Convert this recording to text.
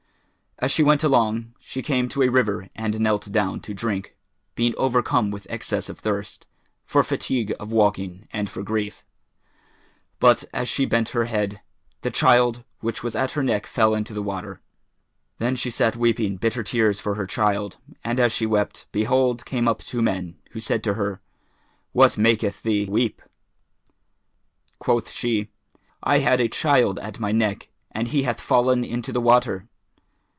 As she went along, she came to a river and knelt down to drink, being overcome with excess of thirst, for fatigue of walking and for grief; but, as she bent her head, the child which was at her neck fell into the water. Then she sat weeping bitter tears for her child, and as she wept, behold came up two men, who said to her, "What maketh thee weep?" Quoth she, "I had a child at my neck, and he hath fallen into the water."